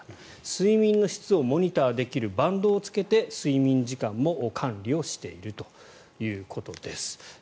睡眠の質をモニターできるバンドをつけて睡眠時間も管理をしているということです。